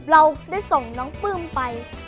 เราได้ส่งน้องปลื้มไป